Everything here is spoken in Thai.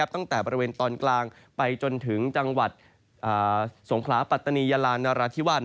ตั้งแต่บริเวณตอนกลางไปจนถึงจังหวัดสงขลาปัตตานียาลานราธิวาส